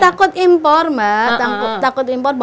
takut impor mbak takut impor